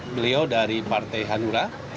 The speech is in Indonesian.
beliau dari partai hanura